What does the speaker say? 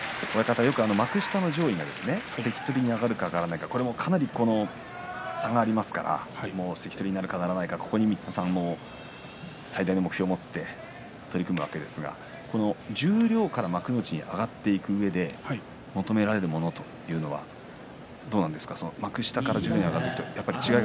幕下の上位が関取に上がるか上がらないか、かなり差がありますから関取になるか、ならないか最大の目標を持って取り組むわけですが十両から幕内に上がっていくうえで求められるものではどうなんですか。